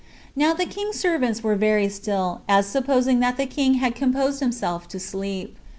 Now the king's servants were very still, as supposing that the king had composed himself to sleep.